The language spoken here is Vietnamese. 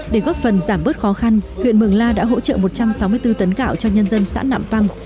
để góp phần giảm bớt khó khăn huyện mường la đã hỗ trợ một trăm sáu mươi bốn tấn gạo cho nhân dân xã nạm păm